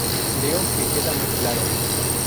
creo que queda muy claro